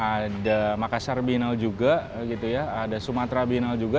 ada makassar binal juga gitu ya ada sumatera biennal juga